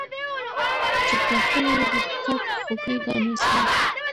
چي تر خوله یې د تلک خوږې دانې سوې